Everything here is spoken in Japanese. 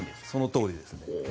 そのとおりですね。